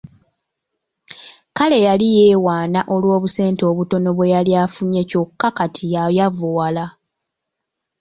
Kale yali yeewaana olw’obusente obutono bwe yali afunye kyokka kati yayavuwala.